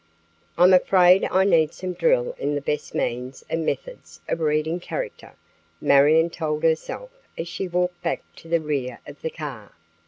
"I'm afraid I need some drill in the best means and methods of reading character," Marion told herself as she walked back to the rear of the car.